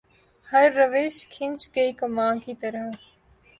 ہر روش کھنچ گئی کماں کی طرح